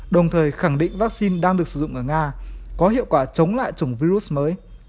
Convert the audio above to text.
đồng thời khẳng định vaccine đang được sử dụng ở nga có hiệu quả chống lại chủng virus mới